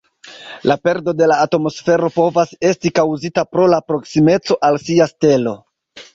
La perdo de la atmosfero povas esti kaŭzita pro la proksimeco al sia stelo.